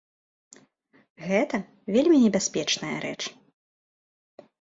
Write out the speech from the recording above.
Гэта вельмі небяспечная рэч.